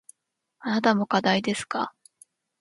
あなたも課題ですか。